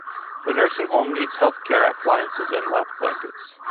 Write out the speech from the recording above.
The nursing home needs health care appliances and lap blankets.